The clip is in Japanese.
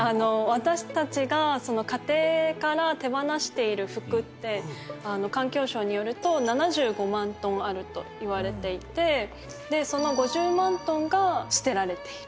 私たちが家庭から手放している服って環境省によると７５万トンあるといわれていてその５０万トンが捨てられている。